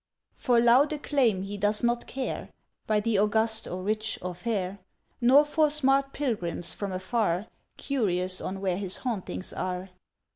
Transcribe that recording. For loud acclaim he does not care By the august or rich or fair, Nor for smart pilgrims from afar, Curious on where his hauntings are.